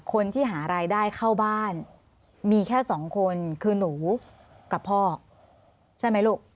คนที่หารายได้เข้าบ้านมีแค่สองคนคือหนูกับพ่อใช่ไหมลูก